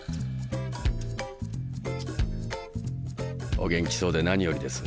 お元気そうで何よりです。